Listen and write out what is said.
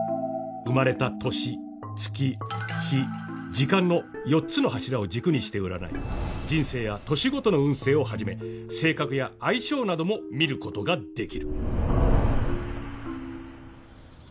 生まれた年・月・日・時間の４つの柱を軸にして占い人生や年ごとの運勢を始め性格や相性なども見ることができる。